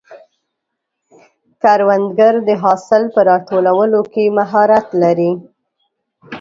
کروندګر د حاصل په راټولولو کې مهارت لري